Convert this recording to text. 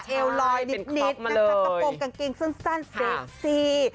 เอวรอยนิดนะครับประโปรบกางเกงสั้นซีลซี